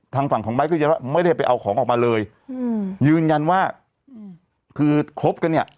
ทางฝั่งของไม้ก็ยังว่าไม่ได้ไปเอาของออกมาเลยอืมยืนยันว่าคือครบกันเนี่ย